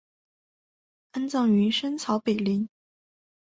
安葬于深草北陵。